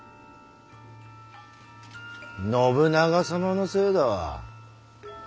信長様のせいだわ。